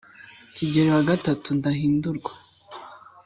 kigeli wa gatatu ndahindurwa